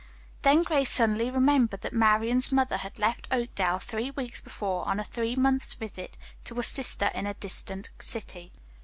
Then Grace suddenly remembered that Marian's mother had left Oakdale three weeks before on a three months' visit to a sister in a distant city.